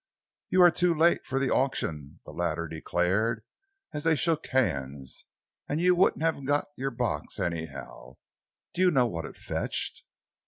"You are too late for the auction," the latter declared, as they shook hands, "and you wouldn't have got your box, anyhow. Do you know what it fetched?"